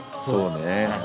そうね。